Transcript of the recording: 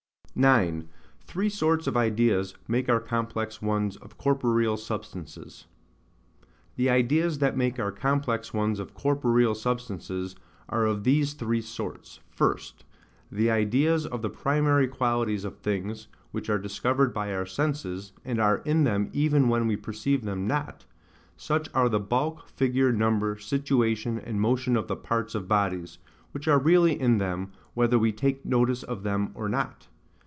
9. Three sorts of Ideas make our complex ones of Corporeal Substances. The ideas that make our complex ones of corporeal substances, are of these three sorts. First, the ideas of the primary qualities of things, which are discovered by our senses, and are in them even when we perceive them not; such are the bulk, figure, number, situation, and motion of the parts of bodies; which are really in them, whether we take notice of them or not.